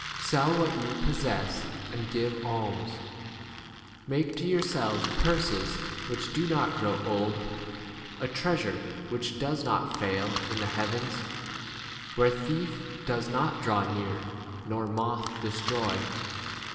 Sell what ye possess and give alms; make to yourselves purses which do not grow old, a treasure which does not fail in the heavens, where thief does not draw near nor moth destroy.